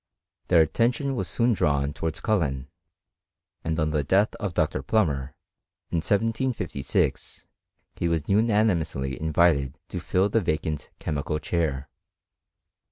Their attention was soon drawn towards Cullen, and on the death of Dr. Plummer, in 1756, he was unanimously invited to fill the vacant chemical chair.